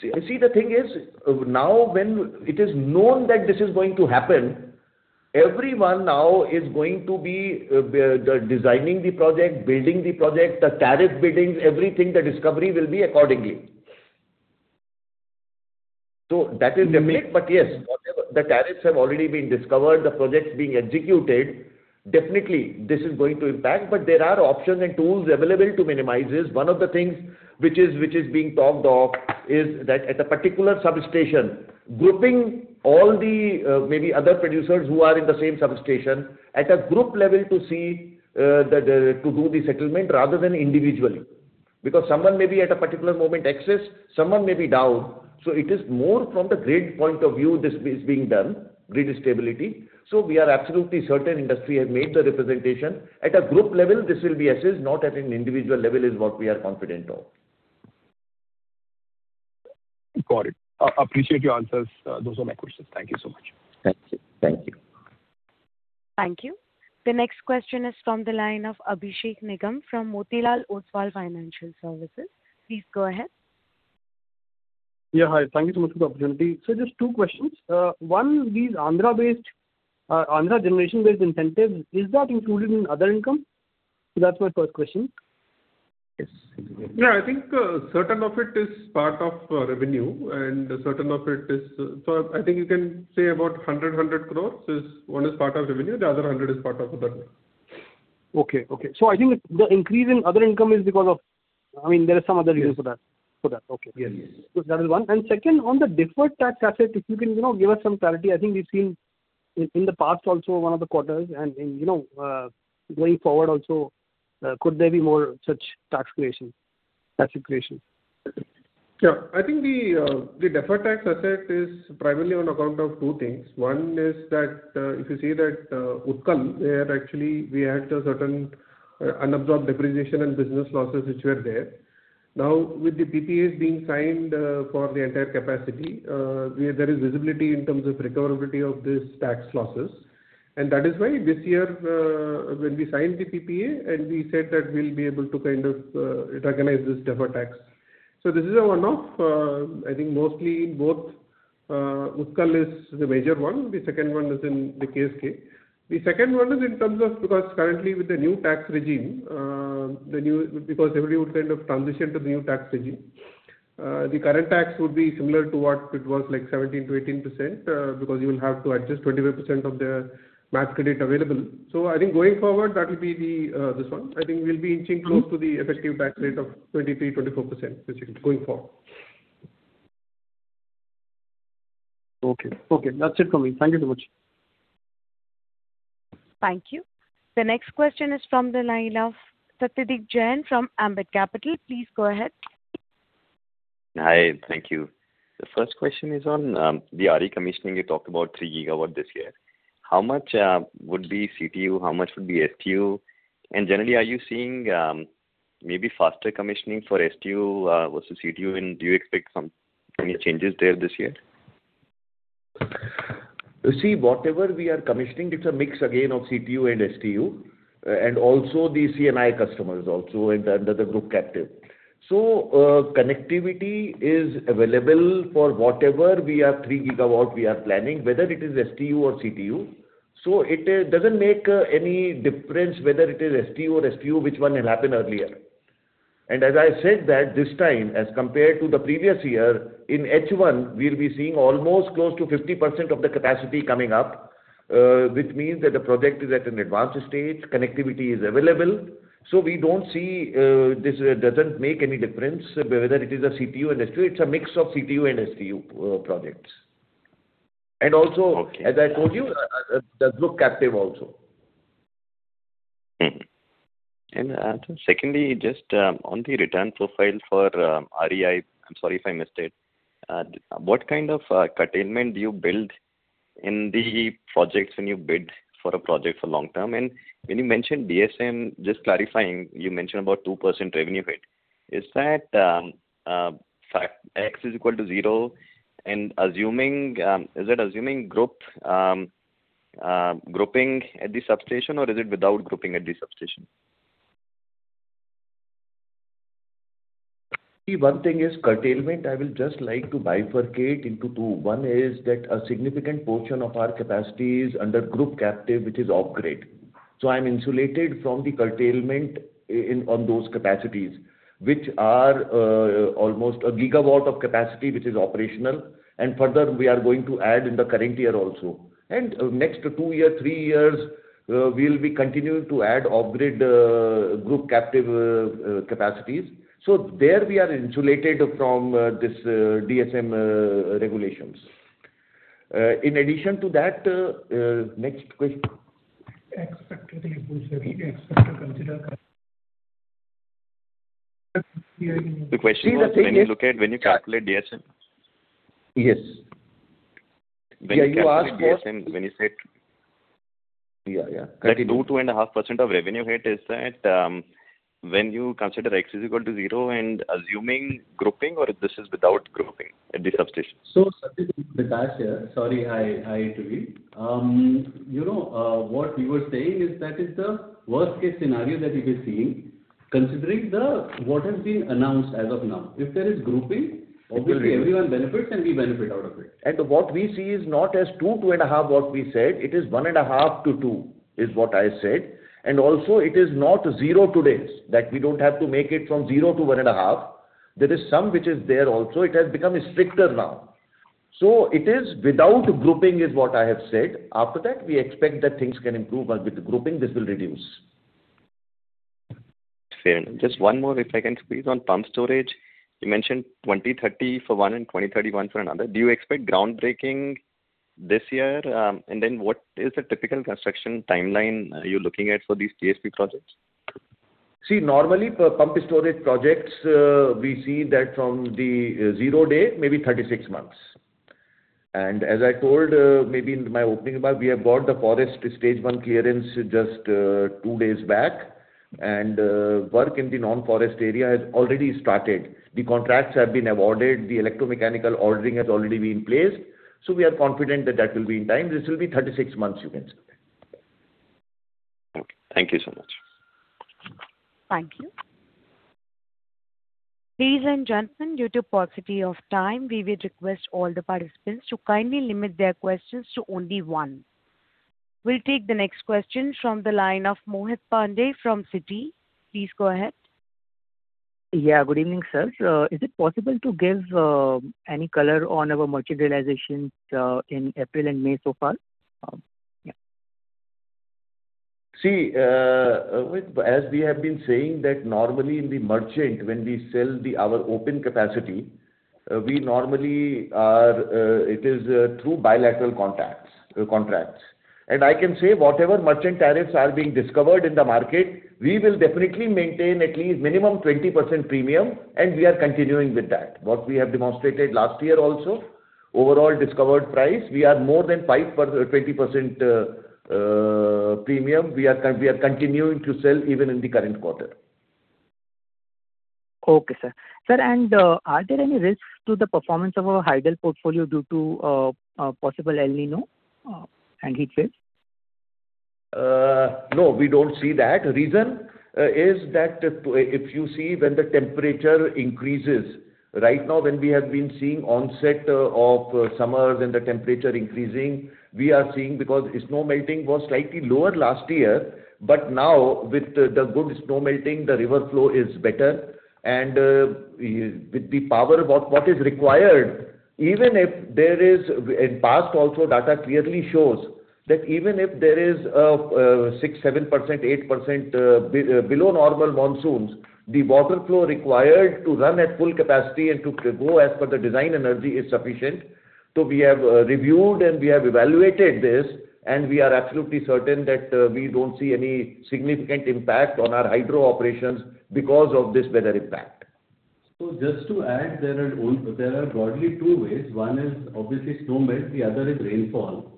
See, you see the thing is, now when it is known that this is going to happen, everyone now is going to be de-designing the project, building the project, the tariff biddings, everything, the discovery will be accordingly. That is definitely. Yes, whatever. The tariffs have already been discovered, the projects being executed. Definitely, this is going to impact. There are options and tools available to minimize this. One of the things which is being talked of is that at a particular substation, grouping all the maybe other producers who are in the same substation at a group level to see the to do the settlement rather than individually. Because someone may be at a particular moment excess, someone may be down. It is more from the grid point of view this is being done, grid stability. We are absolutely certain industry has made the representation. At a group level, this will be assessed, not at an individual level, is what we are confident of. Got it. Appreciate your answers. Those were my questions. Thank you so much. Thank you. Thank you. Thank you. The next question is from the line of Abhishek Nigam from Motilal Oswal Financial Services. Please go ahead. Yeah. Hi. Thank you so much for the opportunity. Just two questions. One, these Andhra-based, Andhra generation-based incentives, is that included in other income? That's my first question. Yes. Yeah, I think, certain of it is part of revenue and certain of it. I think you can say about 100 crore is, 1 is part of revenue, the other 100 is part of other. Okay, okay. I think the increase in other income is because of I mean, there is some other reason for that. Okay. Yes. That is one. Second, on the deferred tax asset, if you can, you know, give us some clarity. I think we've seen in the past also one of the quarters and in, you know, going forward also, could there be more such tax creation? Yeah. I think the deferred tax asset is primarily on account of two things. One is that Utkal, where actually we had a certain unabsorbed depreciation and business losses which were there. Now, with the PPAs being signed for the entire capacity, there is visibility in terms of recoverability of these tax losses. That is why this year, when we signed the PPA and we said that we'll be able to kind of recognize this deferred tax. This is a one-off. I think mostly in both, Utkal is the major one. The second one is in the KSK. The second one is in terms of because currently with the new tax regime, because everybody would kind of transition to the new tax regime. the current tax would be similar to what it was, like 17%-18%, because you will have to adjust 25% of the MAT credit available. I think going forward, that will be the this one. I think we'll be inching close to the effective tax rate of 23%-24%, basically, going forward. Okay. Okay, that's it from me. Thank you so much. Thank you. The next question is from the line of Satyadeep Jain from Ambit Capital. Please go ahead. Hi. Thank you. The first question is on the RE commissioning. You talked about 3 GW this year. How much would be CTU? How much would be STU? Generally, are you seeing maybe faster commissioning for STU versus CTU, and do you expect any changes there this year? You see, whatever we are commissioning, it's a mix again of CTU and STU, and also the C&I customers also and under the group captive. Connectivity is available for whatever we are 3 GW we are planning, whether it is STU or CTU. It doesn't make any difference whether it is STU or STU, which one will happen earlier. As I said that this time, as compared to the previous year, in H1 we'll be seeing almost close to 50% of the capacity coming up, which means that the project is at an advanced stage, connectivity is available. We don't see, this doesn't make any difference whether it is a CTU and STU. It's a mix of CTU and STU projects. Also- Okay. As I told you, the group captive also. Secondly, just on the return profile for REI, I'm sorry if I missed it. What kind of curtailment do you build in the projects when you bid for a project for long term? When you mentioned DSM, just clarifying, you mentioned about 2% revenue hit. Is that X is equal to zero and assuming, is it assuming group grouping at the substation or is it without grouping at the substation? See, one thing is curtailment I will just like to bifurcate into two. One is that a significant portion of our capacity is under group captive which is off-grid. I'm insulated from the curtailment in, on those capacities which are almost 1 gigawatt of capacity which is operational. Further we are going to add in the current year also. Next two year, three years, we'll be continuing to add off-grid, group captive, capacities. There we are insulated from this DSM regulations. In addition to that, next question. X factor The question was when you calculate DSM. Yes. When you calculate DSM. Yeah, yeah. Continue. That 2.5% of revenue hit, is that, when you consider X is equal to zero and assuming grouping or this is without grouping at the substation? Satyadeep, Tushar here. Sorry. Hi. Hi to you. you know, what we were saying is that is the worst-case scenario that we could see considering what has been announced as of now. Will do. Obviously everyone benefits and we benefit out of it. What we see is not as two and a half what we said, it is one and a half to two, is what I said. It is not zero today, that we don't have to make it from zero to one and a half. There is some which is there also. It has become stricter now. It is without grouping is what I have said. After that we expect that things can improve, but with the grouping this will reduce. Fair enough. Just one more if I can please on pump storage. You mentioned 2030 for one and 2031 for another. Do you expect groundbreaking this year? Then what is the typical construction timeline are you looking at for these PSP projects? See, normally for pumped storage projects, we see that from the zero day, maybe 36 months. As I told, maybe in my opening about we have got the forest stage 1 clearance just two days back. Work in the non-forest area has already started. The contracts have been awarded. The electromechanical ordering has already been placed. We are confident that that will be in time. This will be 36 months you can say. Okay. Thank you so much. Thank you. Ladies and gentlemen, due to paucity of time, we would request all the participants to kindly limit their questions to only one. We'll take the next question from the line of Mohit Pandey from Citi. Please go ahead. Yeah, good evening, sir. Is it possible to give any color on our merchant realization in April and May so far? Yeah. See, as we have been saying that normally in the merchant, when we sell our open capacity, we normally are, it is through bilateral contacts, contracts. I can say whatever merchant tariffs are being discovered in the market, we will definitely maintain at least minimum 20% premium, and we are continuing with that. What we have demonstrated last year also, overall discovered price, we are more than 20% premium. We are continuing to sell even in the current quarter. Okay, sir. Sir, are there any risks to the performance of our hydel portfolio due to possible El Niño and heat waves? No, we don't see that. Reason is that if you see when the temperature increases, right now when we have been seeing onset of summer and the temperature increasing, we are seeing because snow melting was slightly lower last year. Now with the good snow melting, the river flow is better and with the power what is required, even if there is, in past also data clearly shows that even if there is 6%, 7%, 8% below normal monsoons, the water flow required to run at full capacity and to go as per the design energy is sufficient. We have reviewed and we have evaluated this, and we are absolutely certain that we don't see any significant impact on our hydro operations because of this weather impact. Just to add, there are broadly two ways. One is obviously snow melt, the other is rainfall.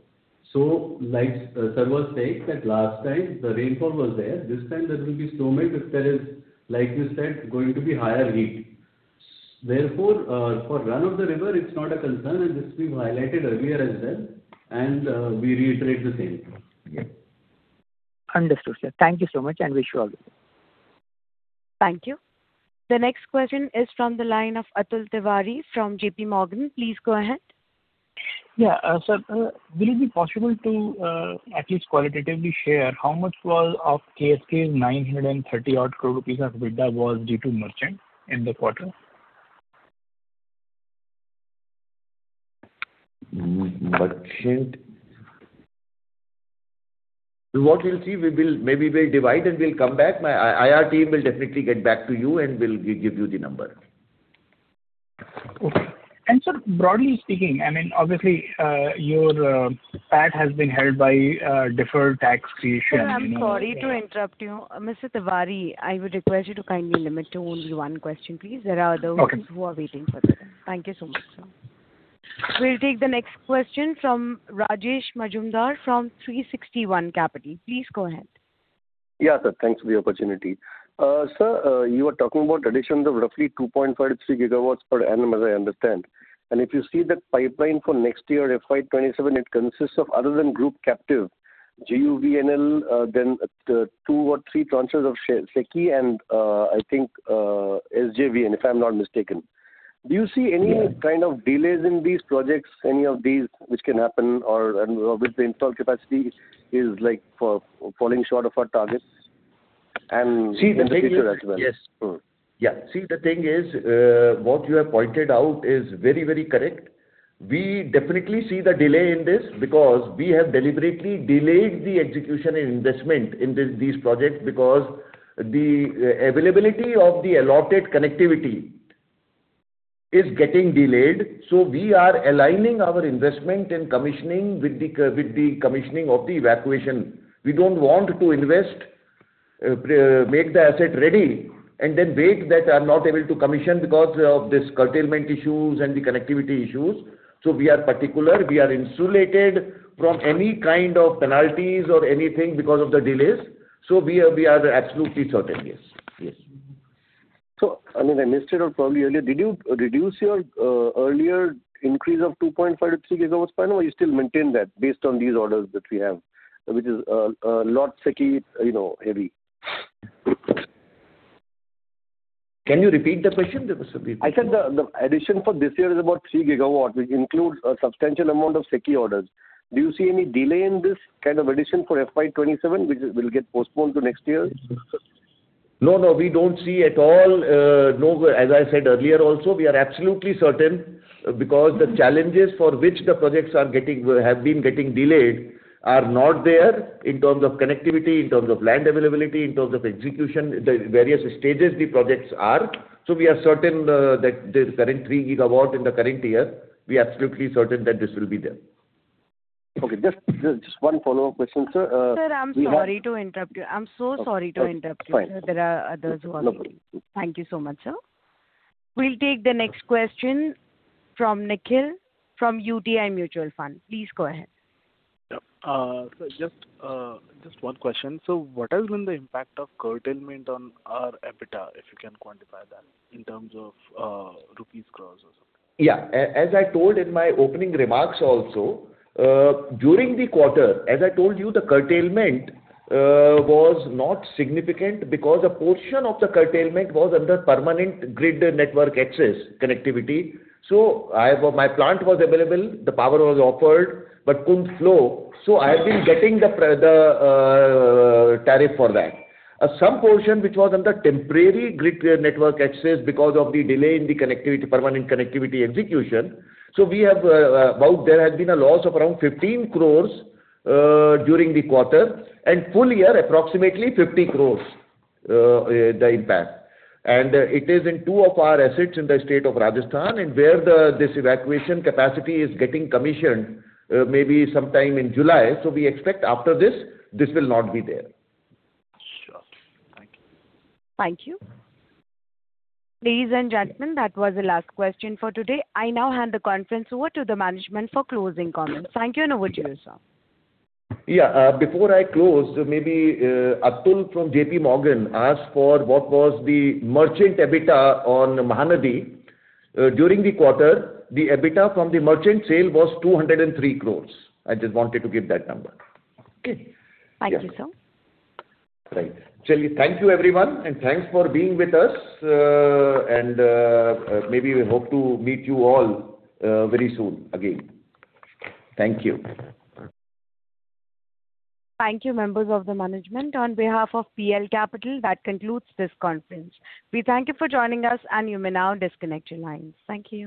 Like sir was saying that last time the rainfall was there. This time there will be snow melt if there is, like you said, going to be higher heat. For run of the river it's not a concern, and this we've highlighted earlier as well, and we reiterate the same. Yeah. Understood, sir. Thank you so much, and wish you all the best. Thank you. The next question is from the line of Atul Tiwari from JPMorgan. Please go ahead. Yeah. Sir, will it be possible to, at least qualitatively share how much was of KSK's 930 odd crore EBITDA was due to merchant in the quarter? What we'll see, we will, maybe we'll divide and we'll come back. My IR team will definitely get back to you, and we'll give you the number. Okay. sir, broadly speaking, I mean, obviously, your PAT has been helped by deferred taxation. Sir, I'm sorry to interrupt you. Mr. Tiwari, I would request you to kindly limit to only one question, please. Okay. who are waiting for their turn. Thank you so much, sir. We will take the next question from Rajesh Majumdar from 360 ONE Capital. Please go ahead. Yeah, sir. Thanks for the opportunity. Sir, you were talking about additions of roughly 2.5 GW to 3 GW per annum, as I understand. If you see the pipeline for next year, FY 2027, it consists of other than group captive, GUVNL, then 2 or 3 tranches of SECI and, I think, SJVN, if I'm not mistaken. Yeah. Do you see any kind of delays in these projects, any of these which can happen and with the installed capacity is like for falling short of our targets? See, the thing is- -in the future as well? Yes. Yeah. See, the thing is, what you have pointed out is very, very correct. We definitely see the delay in this because we have deliberately delayed the execution and investment in this, these projects because the availability of the allotted connectivity is getting delayed. We are aligning our investment and commissioning with the commissioning of the evacuation. We don't want to invest, make the asset ready and then wait that I'm not able to commission because of this curtailment issues and the connectivity issues. We are particular. We are insulated from any kind of penalties or anything because of the delays. We are absolutely certain, yes. Yes. I mean, I missed it out probably earlier. Did you reduce your earlier increase of 2.5 GW-3 GW per annum, or you still maintain that based on these orders that we have, which is lot SECI, you know, heavy? Can you repeat the question? I said the addition for this year is about 3 GW, which includes a substantial amount of SECI orders. Do you see any delay in this kind of addition for FY 2027 which will get postponed to next year? No, no, we don't see at all. No. As I said earlier also, we are absolutely certain because the challenges for which the projects have been getting delayed are not there in terms of connectivity, in terms of land availability, in terms of execution, the various stages the projects are. We are certain that the current 3 GW in the current year, we are absolutely certain that this will be there. Okay. Just one follow-up question, sir. Sir, I'm sorry to interrupt you. I'm so sorry to interrupt you. Okay. It's fine. There are others who are waiting. No problem. Thank you so much, sir. We'll take the next question from Nikhil from UTI Mutual Fund. Please go ahead. Sir, just one question. What has been the impact of curtailment on our EBITDA, if you can quantify that in terms of rupees crores or something? As I told in my opening remarks also, during the quarter, as I told you, the curtailment was not significant because a portion of the curtailment was under permanent grid network access connectivity. My plant was available, the power was offered, but couldn't flow. I have been getting the tariff for that. Some portion which was under temporary grid network access because of the delay in the connectivity, permanent connectivity execution. There has been a loss of around 15 crores during the quarter, and full year approximately 50 crores, the impact. It is in two of our assets in the state of Rajasthan where this evacuation capacity is getting commissioned, maybe sometime in July. We expect after this will not be there. Sure. Thank you. Thank you. Ladies and gentlemen, that was the last question for today. I now hand the conference over to the management for closing comments. Thank you and over to you, sir. Before I close, maybe Atul from JPMorgan asked for what was the merchant EBITDA on Mahanadi. During the quarter, the EBITDA from the merchant sale was 203 crores. I just wanted to give that number. Okay. Thank you, sir. Right. Thank you everyone and thanks for being with us, and maybe we hope to meet you all very soon again. Thank you. Thank you, members of the management. On behalf of PL Capital, that concludes this conference. We thank you for joining us. You may now disconnect your lines. Thank you.